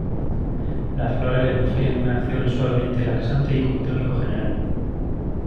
Las flores le confieren una acción suavemente laxante y como tónico general.